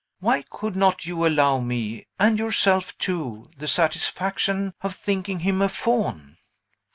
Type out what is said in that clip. Why could not you allow me and yourself, too the satisfaction of thinking him a Faun?"